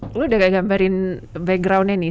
lo udah gak gambarin backgroundnya nih